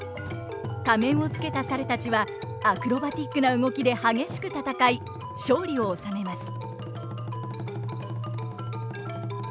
仮面をつけた猿たちはアクロバティックな動きで激しく戦い勝利を収めます。